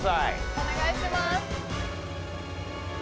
お願いします。